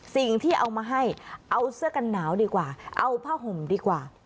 สิ่งที่เอามาให้เอาเสื้อกันหนาวดีกว่าเอาผ้าห่มดีกว่า